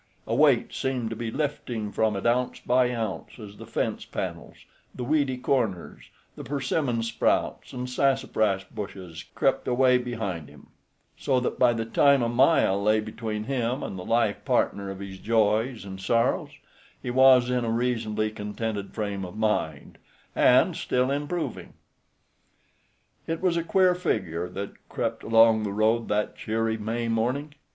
A weight seemed to be lifting from it ounce by ounce as the fence panels, the weedy corners, the persimmon sprouts and sassafras bushes crept away behind him, so that by the time a mile lay between him and the life partner of his joys and sorrows he was in a reasonably contented frame of mind, and still improving. It was a queer figure that crept along the road that cheery May morning.